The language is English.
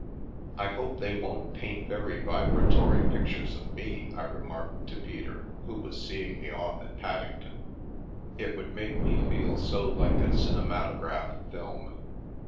163 The Milky Way " I hope they won't paint very vibratory pictures of me/' I remarked to Peter, who was seeing me off at Paddington ;" it would make me feel so like a cinemato graph film.